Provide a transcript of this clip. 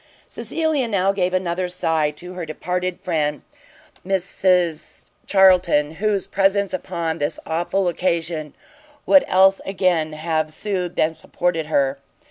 Cecilia now gave another sigh to her departed friend Mrs Charlton, whose presence upon this awful occasion would else again have soothed and supported her.